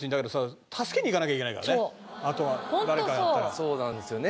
そうなんですよね。